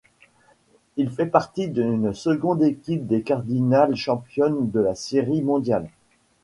Il fait partie d'une seconde équipe des Cardinals championne de la Série mondiale.